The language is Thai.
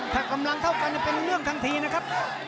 ถ้ากำลังเท่ากันเป็นเรื่องทันทีนะครับ